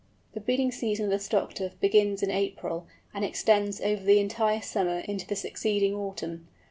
The breeding season of the Stock Dove begins in April, and extends over the entire summer into the succeeding autumn.